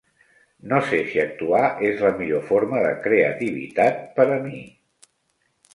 No sé si actuar és la millor forma de creativitat per a mi.